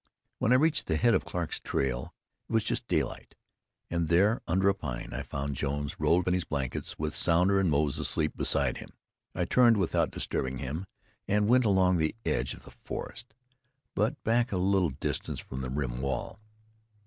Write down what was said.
When I reached the head of Clarke's trail it was just daylight; and there, under a pine, I found Jones rolled in his blankets, with Sounder and Moze asleep beside him. I turned without disturbing him, and went along the edge of the forest, but back a little distance from the rim wall.